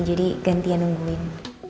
jadi ganti ya nungguin